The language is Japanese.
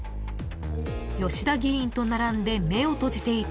［吉田議員と並んで目を閉じていた］